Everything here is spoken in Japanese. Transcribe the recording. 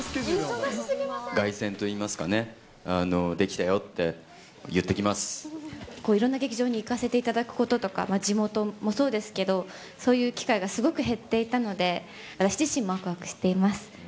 凱旋といいますかね、いろんな劇場に行かせていただくこととか、地元もそうですけど、そういう機会がすごく減っていたので、私自身もわくわくしています。